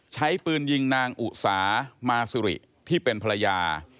ใช้ปืนยิงนางอุสามาสุริที่เป็นภรรยา